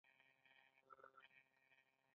یو سل او شپږ شپیتمه پوښتنه ګزارش دی.